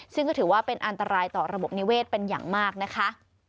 ซึ่งก็ถือว่าเป็นอันตรายต่อระบบนิเวศเป็นอย่างมากนะคะ